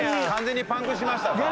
完全にパンクしました。